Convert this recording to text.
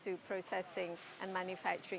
dalam proses dan pembuatan